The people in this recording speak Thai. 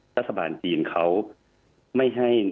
รัฐบาลจีนเขาไม่ให้